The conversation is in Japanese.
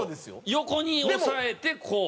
横に押さえてこう。